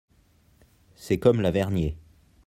C'est comme Lavernié.